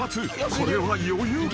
これは余裕か？］